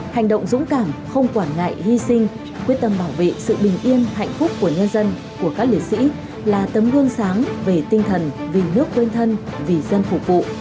hành động dũng cảm không quản ngại hy sinh quyết tâm bảo vệ sự bình yên hạnh phúc của nhân dân của các liệt sĩ là tấm gương sáng về tinh thần vì nước quên thân vì dân phục vụ